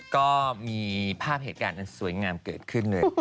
ก็มีภาพเหตุการณ์อันสวยงามเกิดขึ้นเลย